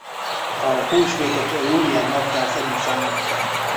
A húsvétot a julián naptár szerint számítják.